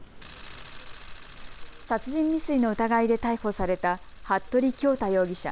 殺人未遂の疑いで逮捕された服部恭太容疑者。